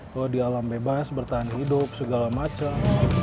kalau di alam bebas bertahan hidup segala macam